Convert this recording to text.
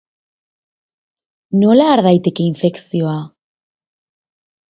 Nola har daiteke infekzioa?